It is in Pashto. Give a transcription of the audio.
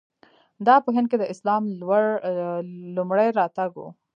دا په هند کې د اسلام لومړی راتګ و.